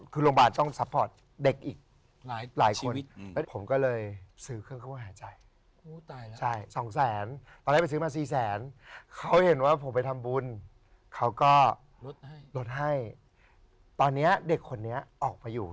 คือโรงพยาบาลต้องซัพพอร์ตเด็กอีก